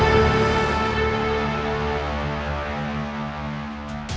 jangan sampai kita menangkap mereka